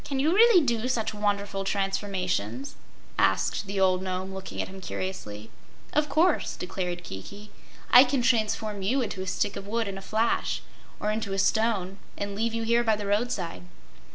"Can you really do such wonderful transformations?" asked the old Nome, looking at him curiously. "Of course," declared Kiki. "I can transform you into a stick of wood, in a flash, or into a stone, and leave you here by the roadside."